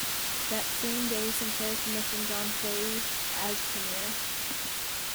That same day Sinclair commissioned John Fahey as Premier.